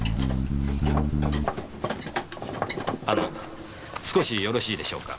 あの少しよろしいでしょうか？